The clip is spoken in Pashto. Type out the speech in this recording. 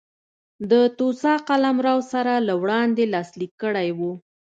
د توسا قلمرو سره له وړاندې لاسلیک کړی و.